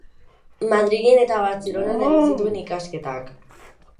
Madrilen eta Bartzelonan egin zituen ikasketak.